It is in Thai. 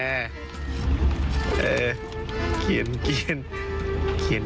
เออเคียนเคียน